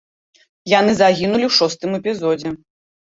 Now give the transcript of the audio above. Яны загінулі ў шостым эпізодзе.